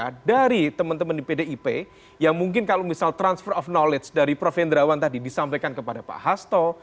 tapi kalau misalnya ada teman teman di pdib yang mungkin kalau misalnya transfer of knowledge dari prof hendrawan tadi disampaikan kepada pak hasto